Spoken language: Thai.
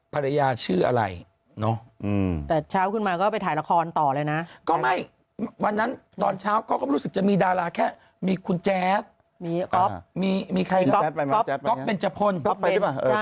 ภรรยาชื่ออะไรเนอะแต่ช้าขึ้นมาก็ไปถ่ายละครต่อเลยนะก็ไม่วันนั้นตอนเช้าก็รู้สึกจะมีดาราแค่มีคุณแจ๊สมีใครก็เป็นจบพ่นก็ไป